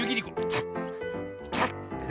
チャッチャッてね。